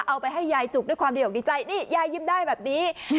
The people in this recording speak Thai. เอาไปให้ยายจุกด้วยความดีอกดีใจนี่ยายยิ้มได้แบบนี้